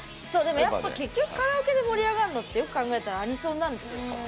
やっぱり結局カラオケで盛り上がるのってよく考えたらアニソンなんですよ。